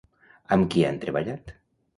Amb qui han treballat?